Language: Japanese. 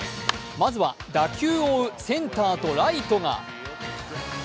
まずは打球を追うセンターとライトが。